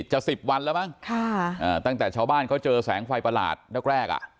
จะสิบวันแล้วมั้งตั้งแต่ชาวบ้านเขาเจอแสงไฟประหลาดแรกแรกอ่ะ